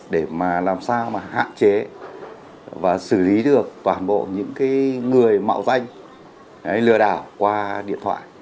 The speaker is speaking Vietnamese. để mà làm sao mà hạn chế và xử lý được toàn bộ những người mạo danh lừa đảo qua điện thoại